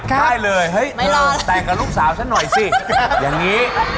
เขาไม่ได้ขอนูนะ